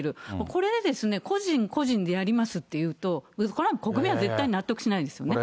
これでですね、個人個人でやりますっていうと、これは国民は絶対に納得しないですよね。